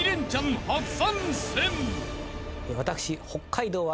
私。